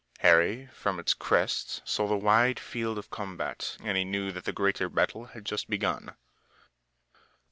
Harry from its crest saw the wide field of combat and he knew that the greater battle had just begun.